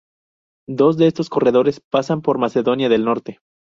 Dos de estos corredores pasan por Macedonia del Norte.